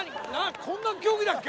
こんな競技だっけ？